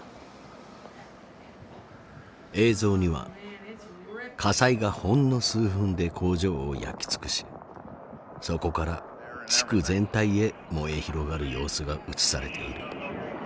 映像には火災がほんの数分で工場を焼き尽くしそこから地区全体へ燃え広がる様子が映されている。